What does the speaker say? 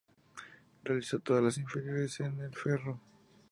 Realizó todas las inferiores en el Ferro.